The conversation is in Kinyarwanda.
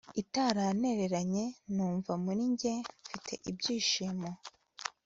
itarantereranye numva muri njye mfite ibyishimo